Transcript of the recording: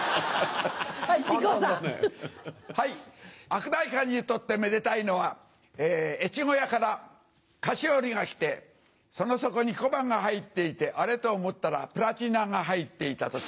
悪代官にとってめでたいのは越後屋から菓子折りが来てその底に小判が入っていてあれ？と思ったらプラチナが入っていた時。